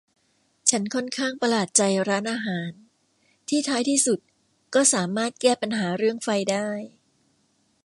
ฉันค่อนข้างประหลาดใจร้านอาหารที่ท้ายที่สุดก็สามารถแก้ปัญหาเรื่องไฟได้